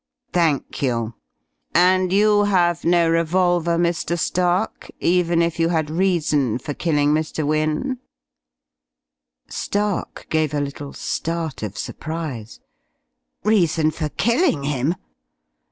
"Thank you.... And you have no revolver, Mr. Stark, even if you had reason for killing Mr. Wynne?" Stark gave a little start of surprise. "Reason for killing him?